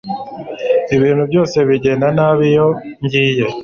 Ibintu byose bigenda nabi iyo ngiye